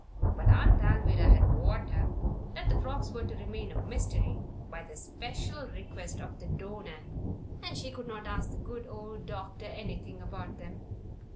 But Aunt Alvirah had warned her that the frocks were to remain a mystery by the special request of the donor, and she could not ask the good old doctor anything about them.